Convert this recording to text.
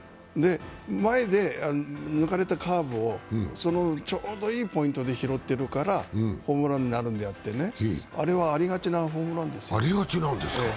前で抜かれたカーブを、ちょうどいいポイントで拾っているからホームランになるのであってね、あれはありがちなホームランですよ。